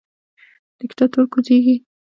دیکتاتور کوزیږي